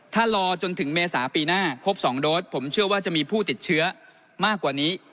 ถ้ารอจนถึงเมษาปีหน้าครบ๒โดสผมเชื่อว่าจะมีผู้ติดเชื้อมากกว่านี้